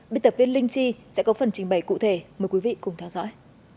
biên tập viên linh chi sẽ có phần trình bày cụ thể mời quý vị cùng theo dõi